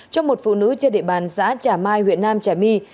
cho một phụ nữ trên địa bàn xã trà mai huyện nam trà my